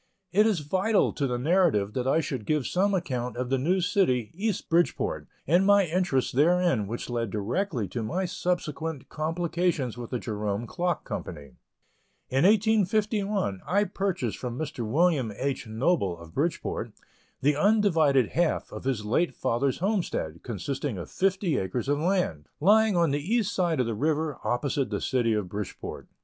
It is vital to the narrative that I should give some account of the new city, East Bridgeport, and my interests therein, which led directly to my subsequent complications with the Jerome Clock Company. In 1851, I purchased from Mr. William H. Noble, of Bridgeport, the undivided half of his late father's homestead, consisting of fifty acres of land; lying on the east side of the river, opposite the City of Bridgeport.